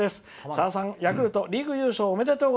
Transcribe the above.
「さださん、ヤクルトリーグ優勝おめでとう！」